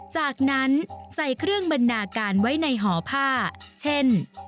จากนั้นใส่เครื่องบรรดาการไว้ในหอผ้าเช่น